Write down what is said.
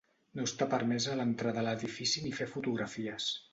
No està permesa l'entrada a l'edifici ni fer fotografies.